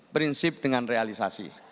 prinsip dengan realisasi